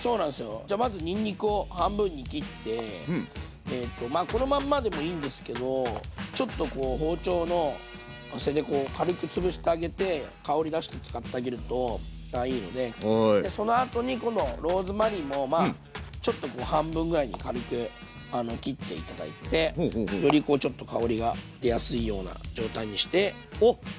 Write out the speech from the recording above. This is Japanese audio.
じゃまずにんにくを半分に切ってえとまあこのまんまでもいいんですけどちょっとこう包丁の背で軽くつぶしてあげて香り出して使ってあげるといいのでそのあとに今度ローズマリーもまあちょっと半分ぐらいに軽く切って頂いてよりこうちょっと香りが出やすいような状態にして。